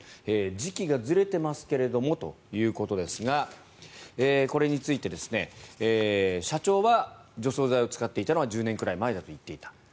時期がずれていますけれどもということですがこれについて社長は除草剤を使っていたのは１０年くらい前だと言っていた。